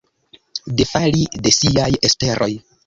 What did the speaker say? Defali de siaj esperoj.